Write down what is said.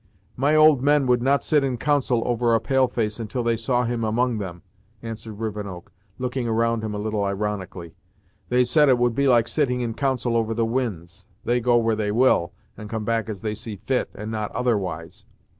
"My old men would not sit in council over a pale face until they saw him among them," answered Rivenoak, looking around him a little ironically; "they said it would be like sitting in council over the winds; they go where they will, and come back as they see fit, and not otherwise.